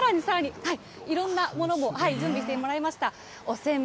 そしてさらにさらに、いろんなものも準備してもらいました。